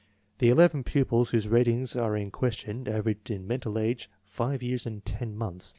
The 11 pupils whose ratings are in question averaged in mental age 5 years and 10 months.